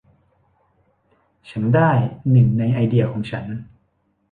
ฉันได้หนึ่งในไอเดียของฉัน